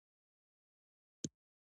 هیله له الله سره تړلې وي.